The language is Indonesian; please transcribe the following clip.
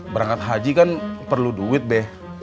berangkat haji kan perlu duit deh